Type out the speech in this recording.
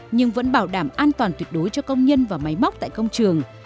nhưng vẫn bảo đảm an toàn tuyệt đối cho công nhân và máy móc tại công trường